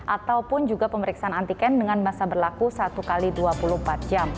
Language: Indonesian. ataupun juga pemeriksaan antigen dengan masa berlaku satu x dua puluh empat jam